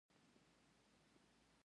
د زرنج ښار ډیر ګرم دی